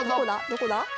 どこだ？